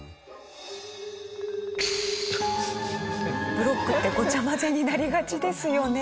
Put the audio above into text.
ブロックってごちゃ混ぜになりがちですよね。